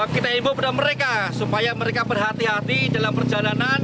kita imbau kepada mereka supaya mereka berhati hati dalam perjalanan